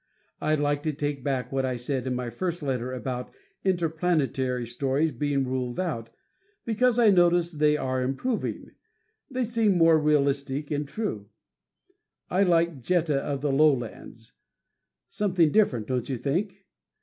I'd like to take back what I said in my first letter about interplanetary stories being ruled out, because I notice they are improving. They seem more realistic and true. I like "Jetta of the Lowlands." Something different, don't you think?